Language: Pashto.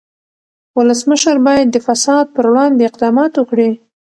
ولسمشر باید د فساد پر وړاندې اقدامات وکړي.